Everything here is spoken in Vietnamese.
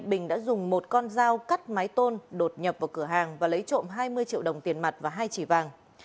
bình đã dùng một con dao cắt máy tôn đột nhập vào cửa hàng và lấy trộm hai mươi triệu đồng tiền mặt và hai chỉ vàng